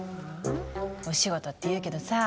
お仕事って言うけどさ